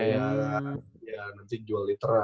ya nanti jual literan